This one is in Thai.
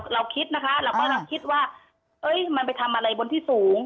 เราคิดนะคะเรากำลังคิดว่ามันไปทำอะไรบนที่สูง